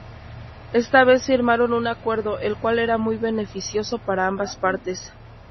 Esta vez firmaron un acuerdo, el cual era muy beneficioso para ambas partes.